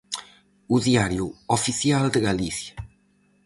O Diario Oficial de Galicia.